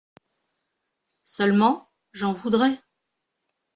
Seulement, j’en voudrais…